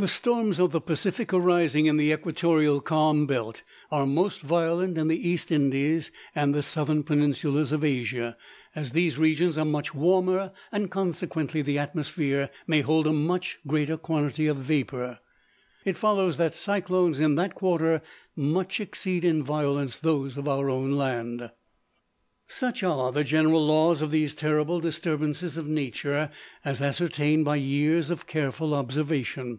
The storms of the Pacific arising in the equatorial calm belt, are most violent in the East Indies, and the southern peninsulas of Asia. As these regions are much warmer, and consequently the atmosphere may hold a much greater quantity of vapor, it follows that cyclones in that quarter much exceed in violence those of our own land. Such are the general laws of these terrible disturbances of nature, as ascertained by years of careful observation.